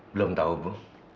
belum tahu bu